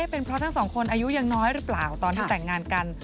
เป็นเพราะทั้งสองคนอายุยังน้อยหรือเปล่าตอนที่แต่งงานกัน